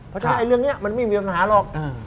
เพราะฉะนั้นเรื่องนี้มันไม่มีปัญหาหรอก